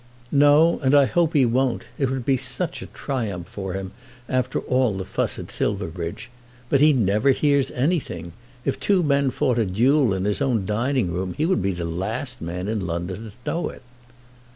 "No; and I hope he won't. It would be such a triumph for him, after all the fuss at Silverbridge. But he never hears of anything. If two men fought a duel in his own dining room he would be the last man in London to know it."